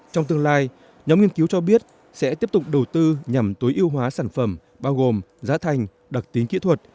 trong tương lai nhóm nghiên cứu cho biết sẽ tiếp tục đầu tư nhằm tối ưu hóa sản phẩm bao gồm giá thành đặc tính kỹ thuật